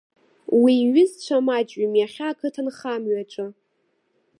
Уи иҩызцәа маҷҩым иахьа ақыҭанхамҩаҿы.